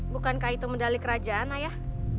bukankah itu medali kerajaan ayah